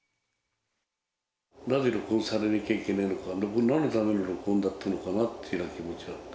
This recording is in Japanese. なぜ録音されなきゃいけないのか、なんのための録音だったのかなっていう気持ちだった。